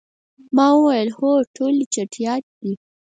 ما وویل، هو، ټولې چټیات.